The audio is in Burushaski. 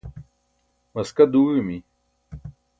maska duuẏimi